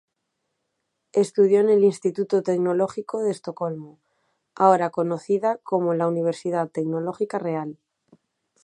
Estudió en el Instituto Tecnológico de Estocolmo, ahora conocida como la Universidad Tecnológica Real.